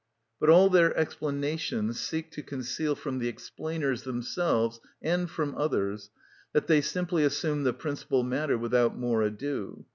But all their explanations seek to conceal from the explainers themselves and from others that they simply assume the principal matter without more ado.